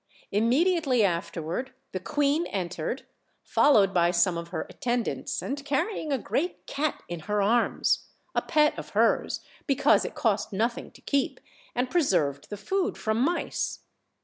Im mediately afterward the queen entered, followed by some of her attendants, and carrying a great cat in her arms . a pet of hers, because it cost nothing to keep and pre< served the food from mice.